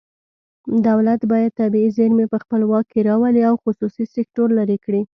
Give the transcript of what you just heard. دولت باید طبیعي زیرمې په خپل واک کې راولي او خصوصي سکتور لرې کړي